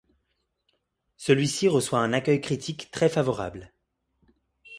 Celui-ci reçoit un accueil critique très favorable.